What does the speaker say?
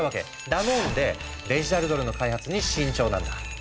だもんでデジタルドルの開発に慎重なんだ。